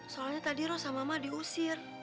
soalnya tadi roh sama ma diusir